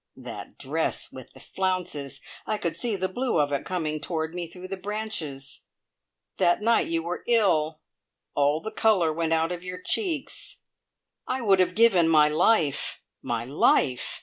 That dress with the flounces! I could see the blue of it coming toward me through the branches. That night you were ill! All the colour went out of your cheeks. I would have given my life my life!